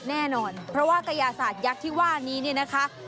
แน่นอนเพราะว่ากระยาศาสตยักษ์ที่ว่านี้เนี่ยนะคะ